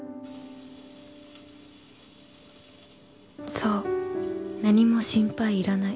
そう何も心配いらない